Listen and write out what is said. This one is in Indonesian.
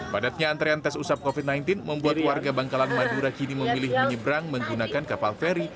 padatnya antrean tes usap covid sembilan belas membuat warga bangkalan madura kini memilih menyeberang menggunakan kapal feri